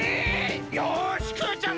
よしクヨちゃん